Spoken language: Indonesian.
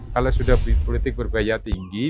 kalau sudah politik berbaya tinggi